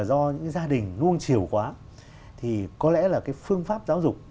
do những gia đình luông chiều quá thì có lẽ là cái phương pháp giáo dục